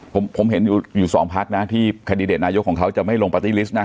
ผมเห็นอยู่สองพักนะที่แคนดิเดตนายกของเขาจะไม่ลงปาร์ตี้ลิสต์นะ